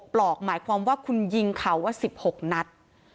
ปลอกหมายความว่าคุณยิงเขาว่า๑๖นัด